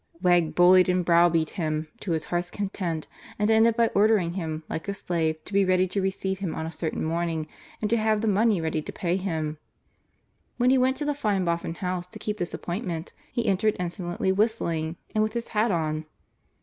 Wegg bullied and browbeat him to his heart's content, and ended by ordering him, like a slave, to be ready to receive him on a certain morning, and to have the money ready to pay him. When he went to the fine Boffin house to keep this appointment he entered insolently, whistling and with his hat on.